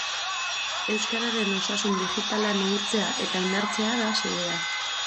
Euskararen osasun digitala neurtzea eta indartzea da xedea.